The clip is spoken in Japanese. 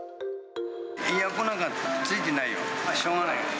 エアコンなんかついてないよ、しょうがない。